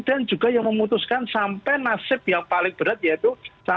dan juga yang memutuskan sampai nasib yang paling berat yaitu